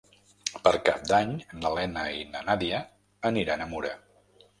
Per Cap d'Any na Lena i na Nàdia aniran a Mura.